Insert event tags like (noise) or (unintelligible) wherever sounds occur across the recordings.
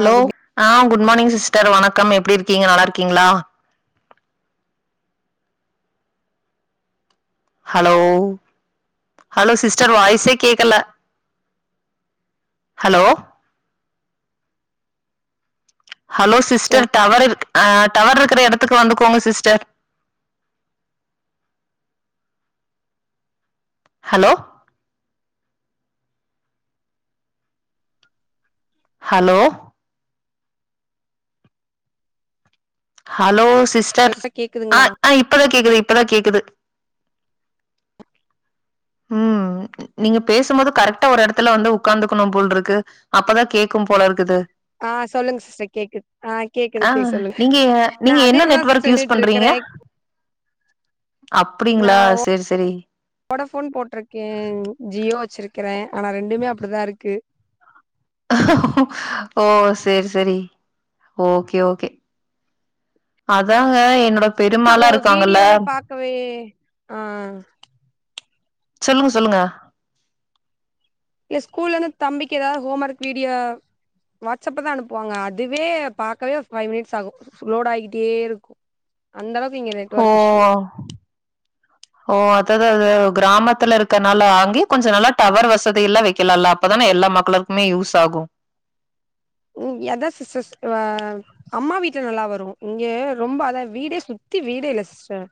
ஆ good ஆ good morning sister வணக்கம் எப்டி இருக்கீங்க நல்லா இருக்கீங்ளா ஹலோ ஹலோ சிஸ்டர் வாய்ஸே கேக்கல ஹலோ ஹலோ சிஸ்டர் டவர் இருக் அ டவர் இருக்கிற எடத்துக்கு வந்துக்கோங்க sister hello hello hello hello sister ஆ கேக்குதுங்களா ஆ இப்பதா கேக்குது இப்பதா கேக்குது ம் நீங்க பேசும் போது கரெக்டா ஒரு எடத்துல வந்து உக்காந்துக்கணு போல் இருக்கு அப்பதா கேக்கும் போல இருக்குது ஆ சொல்லுங்க சிஸ்டர் கேக்குது ஆ கேக்குது ஆ கேக்கு சொல்லுங்க நீங்க நா நீங்க அதே என்ன எடத்துல தா நெட்வொர்க் சிஸ்டர் யூஸ் நின்னுட்ருக்கற பண்றீங்க அப்டிங்களா சேரி சேரி வோடா ஃபோன் போட்டிருக்கே ஜியோ வச்சிருக்கிற ஆனா ரெண்டுமே அப்டிதா இருக்கு ஓ சரி சரி ஓகே ஓகே அதாங்க எ அத வீடியோவே பாக்கவே ஆ சொல்லுங்க சொல்லுங்க இல்ல ஸ்கூல்லந்து தம்பிக்கு எதா ஹோம் ஒர்க் வீடியோ வாட்அப்ப தா அனுப்புவாங்க அதுவே பாக்கவே ஒரு ஃபைவ் மினிட்ஸ் ஆகு லோட் ஆகிட்டே இருக்கு அந்த அளவுக்கு இங்க ஹோ நெட்ஒர்க் இஷ்யூ ஓ அதது அது கிராமத்துல இருக்கனால அங்கியு கொஞ்ச நல்லா டவர் வசதி எல்லா வெக்கலால்ல அப்பதான எல்லா மக்களு குமே யூஸ் ஆகு ம் எத சிஸ்டர் (unintelligible) அம்மா வீட்ல நல்லா வரு இங்க ரொம்ப அத வீடே சுத்தி வீடே இல்ல சிஸ்டர்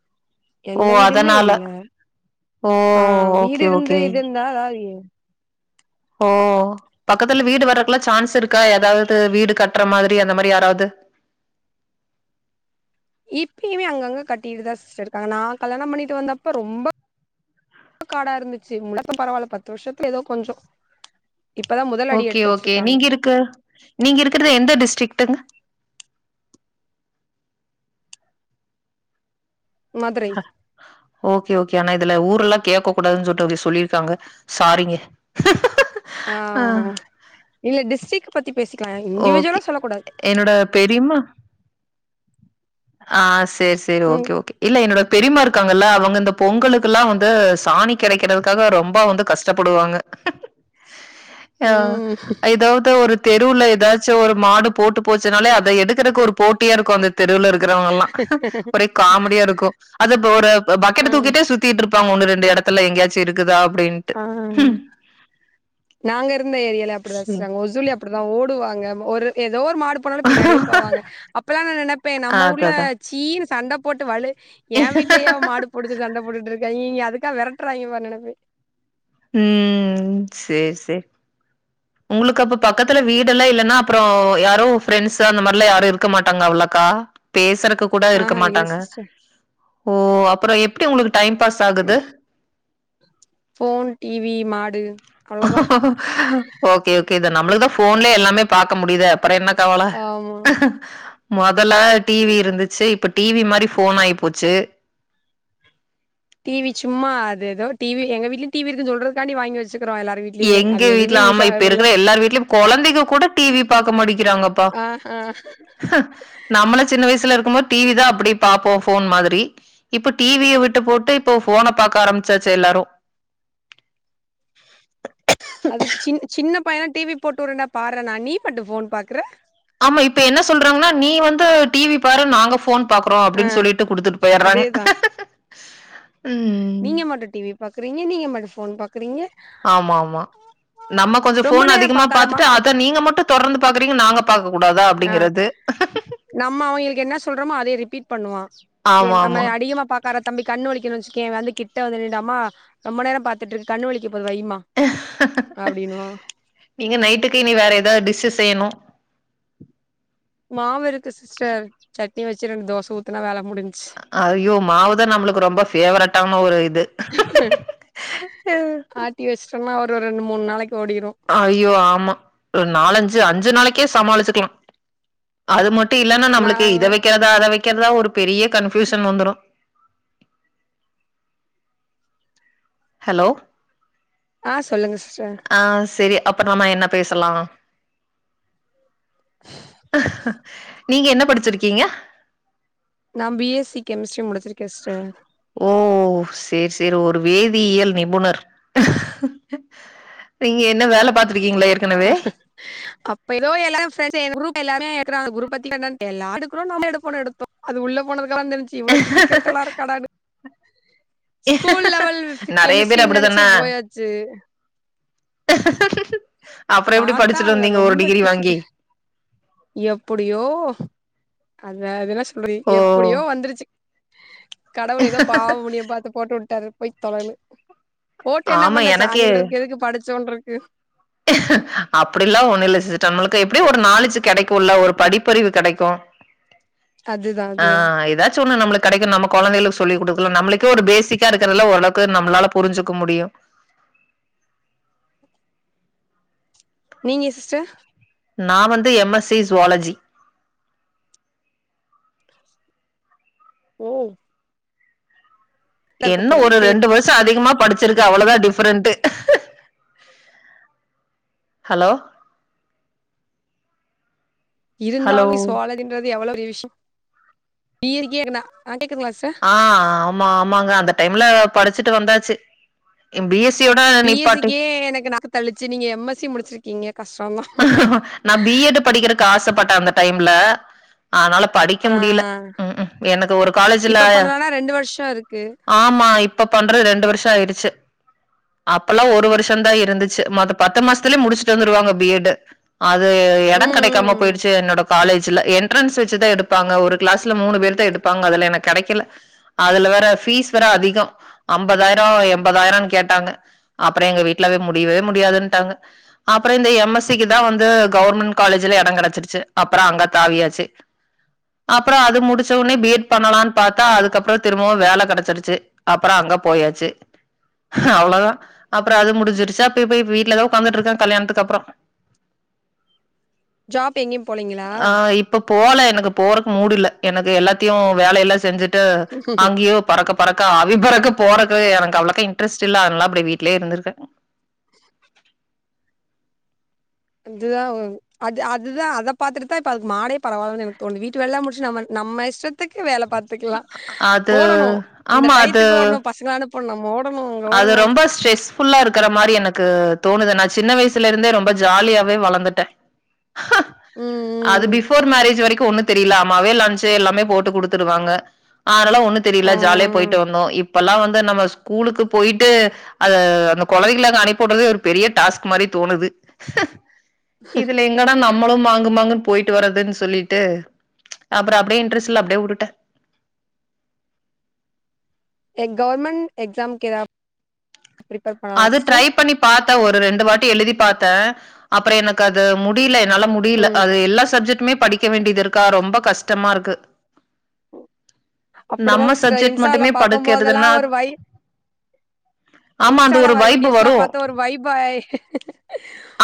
ஓ எந்த வீடுமே அதனால இல்ல ஓ ஆ வீடு ஓகே இருந்து ஓகே இது இருந்தா அதா ஓ பக்கத்துல வீடு வரக்லா சான்ஸ் இருக்கா எதாவது வீடு கட்ற மாதிரி அந்த மாரி யாராது இப்பயுமே அங்கங்க கட்டிட்டுதா சிஸ்டர் இருக்காங்க நா கல்யாணம்பண்ணிட்டு வந்தப்ப ரொம்ப காடா இருந்துச்சு முழக்க பரவால்ல பத்து வருஷத்துல ஏதோ கொஞ்சோ இப்பதா முதல் அடி ஓகே எடுத்து ஓகே வச்சிருக்காங்க நீங்க இருக்கு நீங்க இருக்கறது எந்த டிஸ்டரிக்டங்க மதுரை ஓகே ஓகே ஆனா இதுல ஊர்ல்லா கேக்க கூடாது ன்னு சொல்ட்டு அப்டி சொல்லியிருக்காங்க சாரிங்க ஆ அ இல்ல டிஸ்ட்ரிக் பத்தி பேசிக்கலா இண்டிவிஜுவலா ஓகே. சொல்ல கூடாது என்னோட பெரிம்மா ஆ சேரி சேரி ம் ஓகே ஓகே இல்ல என்னோட பெரிம்மா இருக்காங்கல்ல அவங்க இந்த பொங்கலுக்கெல்லா வந்து சாணி கெடைக்கிறதுக்காக ரொம்ப வந்து கஷ்டப்படுவாங்க அ ம் எதாவது ஒரு தெருவுல எதாச்சு ஒரு மாடு போட்டு போச்சினாலே அத எடுக்கறக்கு ஒரு போட்டியா இருக்கு அந்த தெருவுல இரு க்கறவங்கல்லா ஒரே காமெடியா இருக்கு அது ஒரு பக்கெட்ட ஆ தூக்கிட்டே சுத் திட்டு இருப்பாங்க ஒன்னு ரெண்டு எடத்துல எங்கயாச்சு இருக்குதா அப்டீன்னு ஆ நாங்க இருந்த ஏரியால அப்டி தா சேரி சிஸ்டர் அங் ஒசூர்லேயு அப் அப்டிதா ஓடுவாங்க ஒரு எதோ ஒரு மாடு போனாலு பின்னாடியே போவாங்க அப்பல்லா நா நெனைப்பே நம்ம ஊர்ல அததா ச்சீனு சண்ட போட்டு வலு என் வீட்ல ஏ மாடு புடிச்சு சண்ட போட்டுட்டு இருக்க ஈ அதுக்கா வெரட்றாங்கே பார் நெனப்பே ம் சேர் சேர் உங்களுக்கு அப்ப பக்கத்துல வீடெல்லா இல்லனா அப்றோ யாரோ ஃபிரண்ட்ஸ் அந்த மாரி லா யாரு இருக்க மாட்டாங்க அவ்ளக்கா பேசுறக்கு கூட இருக்க ஆஹா இல்ல மாட்டாங்க சிஸ்டர் ஓ அப்பறோ எப்டி உங்களுக்கு டைம் பாஸ் ஆகுது ஃபோன் டி வி மாடு அவ்ளோதா ஓகே ஓகே இத நம்மளுக்கு தா ஃபோன்லே எல்லாமே பாக்க முடிதே அப்ற என்ன கவல ஆமா மொதல டி வி இருந்துச்சு இப்ப டி வி மாரி ஃபோன் ஆயிப்போச்சு டி வி சும்மா அது எதோ டி வி எங்க வீட்லயு டி வி இருக்குன் சொல்றதுக்காண்டி வாங்கி வெச்சுக்றோ எல்லார் எங்க வீட்ல ஆமா இப்ப இருக்கிற எல்லார் வீட்லயும் கொழந்தைக கூட டி வி பாக்க மாட்டிக்கிறாங்கப்பா ஆஹ நம்மளே சின்ன வயசுல இருக்கும் போது டி வி தா அப்டி பாப்போ ஃபோன் மாதிரி இப்ப டி வி ய விட்டு போட்டு இப்ப ஃபோன பாக்க ஆரம்மிச்சாச்சு எல்லாரு அதுக்கு சின் சின்ன பைய டி வி போட்டு உட்றேன்டா பாட்றனா நீ மட்டு ஃபோன் பாக்குற ஆமா இப்ப என்ன சொல்றாங்கனா நீ வந்து டி வி பாரு நாங்க ஃபோன் பாக்குறோ ஆ அப்டின் சொல்லிட்டு குடுத்துட்டு போயிட்றாங்க அதேதா ம் நீங்க மட்டு டிவி பாக்குறீங்க நீங்க மட்டு ஃபோன் பாக்குறீங்க ஆமாம்மா நம்ம கொஞ்ச ரொம்ப ஃபோன நேரோ அதிகமா பாக்காதமா பாத்துட்டு அத நீங்க மட்டு தொடர்ந்து பாக்குறீங்க நாங்கப் பாக்க கூடாதா ஆ அப்டிங்கிறது நம்ம அவங்கெளுக்கு என்ன சொல்றோமோ அதே ரிபீட் பண்ணுவா ஓகே ஆமா நம்ம ஆமா. அதிகமா பாக் காறா தம்பி கண்ணு வலிக்குதுன் வச்சுக்கயே வந்து கிட்ட வந்து நின்னுட்டு அம்மா ரொம்ப நேர பாத்துட்ருக்க கண்ணு வலிக்கப்போது வைமா அப்டினுவா நீங்க நைட்டுக்கு இனி வேற எதாவ்து டிஷ்ஷு செய்யணு மாவு இருக்கு சிஸ்டர் சட்னி வெச்சு ரெண்டு தோச ஊத்துனா வேல முடிஞ் அ ஐயோ மாவுதா நம்மளுக்கு ரொம்ப ஃபேவரட்டான ஒரு இது ம் ஆட்டி வச்ட்டம்னா ஒரு ரெண்டு மூணு நாளைக்கு ஓடிரு ஐயோ ஆமா ஒரு நாலஞ்சு அஞ்சு நாளைக்கே சமாளிச்சுக்கலா அது மட் டு இல்லனா நா நம்மளுக்கு இத வெக்கறதா அத வெக்கறதா ஒரு பெரிய கன்ஃபியூஷன் வந்துரு ஹலோ ஆ சொல்லுங்க சிஸ்டர் ஆ செரி அப்ப நம்ம என்ன பேசலா நீங்க என்ன படிச்சிருக்கீங்க நா பி எஸ் சி கெமிஸ்ட்ரி முடிச்சிருக்கே சிஸ்டர் ஓ சேரி சேரி ஒரு வேதியியல் நிபுணர் நீங்க என்ன வேல பாத்திருக்கீங்ளா ஏற்க் அ ஹா அப் இப்ப எதோ எல்லாரு ஃபிரெண்ட்ஸு எந்த குரூப் எல்லாரு எடுக்றாங்க அந்த குரூப் பத்தி என்னன் தெர்ல ஆ எடுக்குறோ நாம் எடுப்போணு எடுத்தோ அது உள்ள போனதுக்கப்பற தெரிஞ்ச்சு இவ்ளோ டிஃபிக்கல்ட்டாலா இருக்காடானு ஸ்கூல் லெவல் ஸ் நெறைய கெமிஸ்ட்ரின்னு நெனச்சு போயாச்சு அப்பற எப்டி பாத்தா படிச்சுட்டு அங்க வந்தீங்க ஒரு டிகிரி வாங்கி எப்புடியோ அத அதல்லா சொ இப்ப வை ஓ! எப்டியோ வந்துருச்சு கடவுள் எதோ பாவ புண்ணியம் பாத்து போட்டு உட்டுடாரு போய் தொலன்னு போட்டு என்ன ஆமா. பண்ண சாணி எனக்கே அழ்றதுக்கு எதுக்கு படிச்சோன்ருக்கு அப்டிலா ஒன்னு இல்ல சிஸ்டர் நம்மளுக்கு எப்டியு ஒரு நாலேஜுக் கெடைக்குல்ல ஒரு படிப்பறிவு கெடைக்கு அதுதா ஆ அதுதா எதாச்சு ஒன்னு நம்மளுக்கு கெடைக்கு நம்ம கொழந்தைகளுக்கு சொல்லி் குடுக்கலா நம்மளுக்கே ஒரு பேசிக்கா இருக்கிறதெல்லா ஓரளவுக்கு நம்மளால புரிஞ்சிக்க முடியு நீங்க சிஸ்டர் நா வந்து எம் எஸ் சி ஜுவாலஜி ம் என்ன போறீங்க ஒரு வீட்லயே ரெண்டு வர்ஷ அதிகமா படிச் ச்சுருக்கு அவளதா டிஃபரெண்ட்டு ஹலோ ஹலோ. இருந்தாலு சோழதின்றது எவ்ள பெரிய விஷும் நீரு கேக்குநா அ கேக்குதுங்ளா சா ஆ ஆமா ஆமாங்க அந்த டைம்ல படிச்சிட்டு வந்தாச்சு யம் பி எஸ் சி யோட நிப்பாட்டி ஏ எனக்கு நாக்குத் கழிச்சி நீங்க எம் எஸ் சி முடிச்சிர்க்கீங்க கஷ்டோன்தா நா பி எட்டு படிக்கிறக்கு ஆசப்பட்ட அந்த டைம்ல அனால படிக்க ஆ முடிய்ல ம்ம் எனக்கு ஒரு காலேஜ்ல இப்ப பண்ணலனா ரெண்டு வருஷோ இருக்கு ஆமா இப்ப பண்று ரெண்டு வர்ஷ ஆய்டுச்சு அப்பல்லா ஒரு வருஷன்தா இருந்துச் மொது பத்து மாஸ்த்துலே முடிச்ட்டு வந்துருவாங்க பி எட்டு அது எடன் ம் ம் கடைக்காம ம் போய்டுச்சு என்னோட காலேஜ்ஜுல என் ட்ரன்ஸ் வச்சிதா எடுப்பாங்க ஒரு க்ளாஸ்ல மூணு பேரத்தா எடுப்பாங்க அதுல என கிடைக்கல அதுல வேற ஃபீஸ் வெற அதிகம் அம்பதாய்ரோ எம்பதாய்ரன் கேட்டாங்க அப்ற எங்க வீட்லவே முடிவே முடியாதுன்ட்டாங்க அப்ற இந்த எம் எஸ் திக்கிதா வந்து கௌர்மெண் காலேஜ்ல யட கடச்சிருச்சு அப்பறா அங்க தாவியாச்சு அப்றா அது முடிச்ச உனே பி எட் பண்ணலான் பாத்தா அதுக்கப்றோ திரும்பவு வேல கடச்சிருச்சு அப்பற அங்க போயாச்சு அவ்வளதா அப்ற அது முடின்சிருச்சி அப்ப இப்பி வீட்லதா உக்காந்துட்ருக்கா கல்யாண்த்துக்கப்பறோ ஜாப் எங்யும் போளீங்களா ஆ இப்ப போல எனக்கு போறக் மூட் இல்ல எனது எல்லாத்யு வேல எல்லா செஞ்சுட்டு அங்யோ பறக்க பறக்க ஆவி பறக்க போறக்வே எனக் அவ்ளக்கா இன்ட்ரெஸ்ட் இல்ல அதனால அப்டி வீட்லே இருந்துருக்கே அதுதா ஊன் அது அதுதா அத பாத்துட்டுத்தா இப்ப அதுக்கு மாடே பரவால்ல எனக் தோணுது வீட்டு வேல்லாம் முட்ஷு நம்ம நம்ம இஷ்டத்துக்கு வேல பாத் தெக்லா அது ஓடணு அந்த ஆமா அது டைய்த்துக்கு ஓட்ணு பசங்கள அனுப்புண் நம்ம ஓடணு அங்க ஓடணு ஃபுல்லா இருக்கற மாறி எனக்கு தோணுது நா சின்ன வயசுல இருந்தே ரொம்ப ஜாலியாவே வளந்துட்டே ஹ ம் அது ம் பிஃபோர் மேரேஜ் வரைக்கு ஒன்னு தெரில அம்மாவே லன்ச்சு எல்லாமே போட்டு குடுத்துடுவாங்க அனால ஒன்னு ஆ தெரில ஜாலியா போய்ட்டு வந்நோ இப் பல்லா வந்து நம்ப ஸ்கூலுக்கு போய்ட்டு அது அந்த கொலைகள அங்க அனுப்பிவுட்றதே ஒரு பெரிய டாஸ்க் மாறி தோணுது இதுலிங் என்னடா நம்மளு மாங்கு மாங்குன் போய்ட்டு வரதுன்சொல்லிட்டு அப்ற அப்படியே இன்ட்ரெஸ் இல்ல அப்படியே உட்டுட்டன் எ கவ்ர்மெண் எக்ஜாம் கெறாப் அது ட்ரை பண்ணி பாத்த ஒர் ரெண்டு வாட்டி எழுதி பாத்த அப்பற எனக்கு அது முட் டீல்ல என்னால முடில அது எல்லா சப்ஜெட்மே படிக்க வேண்டிது இருக்கா ரொம்ப கஷ்டமா இருக்கு அப்படிதா நம்ம சிஸ்டர் சப்ஜெட் இன்ஸ்டால மட்டுமே பாக்கும் போதெல்லா படுக்கெற்துன்னாட் ஒரு வை ஆமான் ஆல வர வீடியோஸ்லா பாத்த ஒரு வைப் பாய்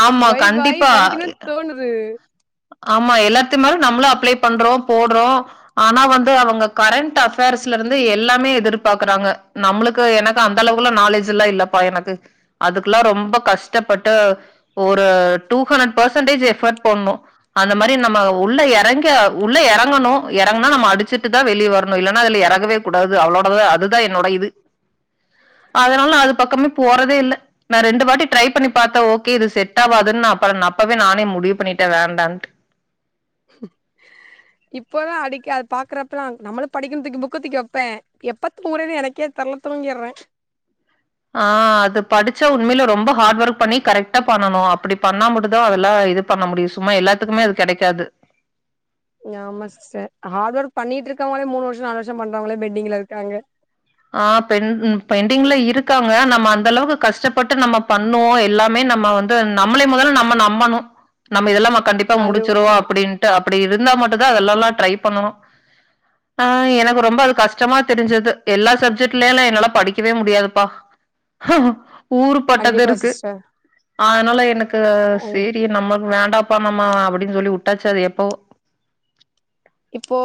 ஆமா கண்டிப்பா எ அ து ஆமா எல்லாத்து மேல் நம்மளு அப்ளை பண்றோ போட்றோ ஆனா வந்து அவங்க கரண்ட் அஃபேர்ஸ்ல இருந்து எல்லாமே எதிர்பாக்குறாங்க நம்ளுக்கு எனக் கா அந்த அளவ்க்குல்ல நாலேஜ் எல்லா இல்லப்பா எனக்கு அதுக்லா ரொம்ப கஷ்டப்பட்டு ஒரு டூ ஹண்னட் பஸ்சன்டேஜ் எஃபட் போட்ணு அந்த மாறி நம்ம உள்ள யறங்க உள்ள யறங்கணு யறங்னா நம்ம அடிச்சிட்டுதா வெளிய வரணு இல்லன்னா அதுல யறகவே கூடாது அவ்ளோடதே அதுதா என்னோட இது நா ரெண்டு வாட்டி ட்ரை பண்ணி பாத்தே ஓகே இது செட் ஆவாதுன்னு அப்றம் அப்பவே நானே முடிவு பண்ணிட்டே வேண்டான்னு இப்போல்லா அடிக்க அது பாக்குறப்பல்லா நம்மளு படிக்கனு தூக்கி புக்க தூக்கி வப்பே எப்பத்தூங்கறேன்னு எனக்கே தெர்ல தூங்கியறே ஆ அது படுச்சா உண்மைலே ரொம்ப ஹார்டு ஒர்க் பண்ணி கரெக்டா பண்ணனு அப்டி பண்ணா மட்டுந்தா அதெல்லா இது பண்ண முடியு சும்மா எல்லாத்துக்குமே அது கெடைக்காது ஆமா சிஸ்டர் ஹார்ட் ஒர்க் பண்ணிட்டு இருக்கவுங்களே மூனு வர்ஷொ நாலு வர்ஷொ பண்றவுங்களே பென்டிங்ல இருக்காங்க ஆ பென் பென்டிங்ல இருக்காங்க நம்ம அந்த அளவுக்கு கஷ்டப்பட்டு நம்ம பண்ணுவோ எல்லாமே நம்ம வந்து நம்மளை மொதல்ல நம்ம நம்பணு நம்ம இதெல்லா கண்டிப்பா அது முடிச்சிருவொ அ அப்டின்ட்டு அப்டி இருந்தா மட்டுந் தா அதுலெல்லா ட்ரை பண்ணனு ஆ எனக்கு ரொம்ப அது கஷ்டமா தெருஞ்சது எல்லா சப்ஜெக்ட்லேலா என்னால படிக்கவே முடியாதுப்பா ஊறு பட்டது கண்டிப்பா இருக்கு சிஸ்டர் ஆதுனால எனக்கு ம் சேரி நம்மக்கு வேண்டா (unintelligible) அப்டின் சொல்லி வுட்டாச்சி அது எப்பவோ இப்போ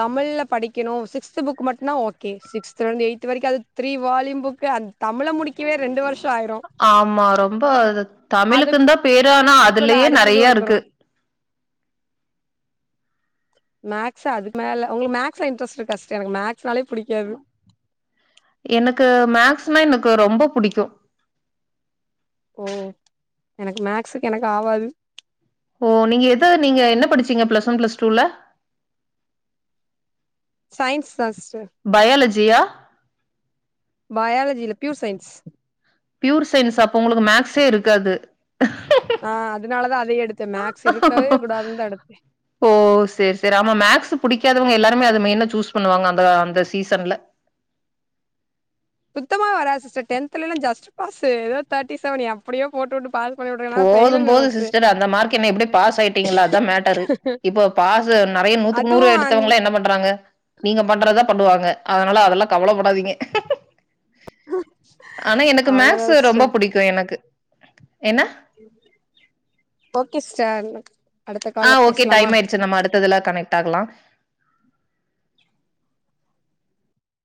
தமிழ்ல படிக்கணு சிக்ஸ்து புக் மட்டுனா ஓகே சிக்ஸ்த்லர்ந்து எய்த்து வரைக்க அது த்ரீ வால்யூம் புக்கு அந்த தமிழ முடிக்கவே ரெண்டு வருஷொ ஆய்டு ஆமா ரொம்ப தமிழுக்குந்தா பேரு ஆனா அதுக்குள்ள அதுலயே அடுத்தது நெறையா இருக்கு வந்துரு மேக்ஸ் அதுக்கு மேல உங்களுக் மேக்ஸ்ல இன்ட்ரெஸ்ட் இருக்கா சிஸ்டர் எனக்கு மேக்ஸ்னாலே புடிக்காது எனக்கு மேக்ஸ்னா எனக்கு ரொம்ப புடிக்கு ஓ எனக்கு மேக்ஸுக்கு எனக்கு ஆவாது ஓ நீங்க எத நீங்க என்ன படுச்சீங்க பிளஸ் ஒன் பிளஸ் டூல சயின்ஸ் தா ஸ்டர் பயாலஜியா பயாலஜில பியூர் சயின்ஸ் பியூர் சயின்ஸ் அப்ப உங்களுக்கு மேக்ஸே இருக்காது ஆ அதுனாலதா அதயே எடுத்தே மேக்ஸ் இருக்கவே கூடாதுன்தா எடுத்தே ஓ சேரி சேரி ஆமா மேக்ஸ் புடிக்காதவங்க எல்லாருமே அது மெயினா சூஸ் பண்ணுவாங்க அந்தா அந்த சீசன்ல சுத்தமாவெ வராது சிஸ்டர் டென்த்லல ஜஸ்ட் பாஸ்ஸு ஏதோ தேர்ட்டி செவன் எப்டியோ போட்டுவுட்டு பாஸ் பண்ணி விட்ருக்கே நா போது ஃபெயிலுன் போது நெனச்சே சிஸ்டர் அந்த மார்க் என்ன எப்டி பாஸ் ஆய்ட்டிங்கள அதா மேட்டரு இப்போ பாசு நெறைய நூத்துக்கு நூறு அதுவு அந் எடுத்தவங்களா என்ன பண்றாங்க நீங்க பண்றதா பண்ணுவாங்க அதுனால அதெல்லா கவலப்படாதீங்க ஆனா எனக்கு அவ்ளோதா மேக்ஸ்ஸு ரொம்ப சிஸ்டர் புடிக்கு எனக்கு என்ன ஓகே சிஸ்டர் அடுத்த ஆ கால்ல ஓகே பேசலாமா டைம் ஆயிருச்சு நம்ம அடுத்ததுல கனெக்ட் ஆகலா